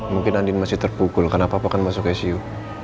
mungkin andien masih terpukul karena papa kan masuk su